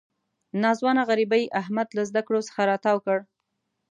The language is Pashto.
ناځوانه غریبۍ احمد له زده کړو څخه را تاو کړ.